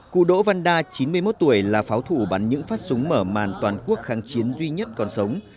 cụ đỗ văn đa chín mươi một tuổi là pháo thủ bắn những phát súng mở màn toàn quốc kháng chiến duy nhất còn sống